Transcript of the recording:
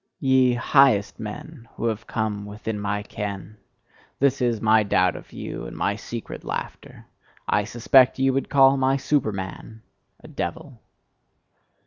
Ye highest men who have come within my ken! this is my doubt of you, and my secret laughter: I suspect ye would call my Superman a devil!